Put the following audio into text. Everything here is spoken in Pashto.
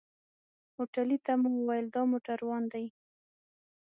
هوټلي ته مو وويل دا موټروان دی.